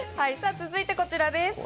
続いてこちらです。